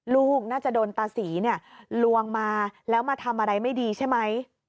ลูกน่าจะโดนตาศรีเนี่ยลวงมาแล้วมาทำอะไรไม่ดีใช่ไหม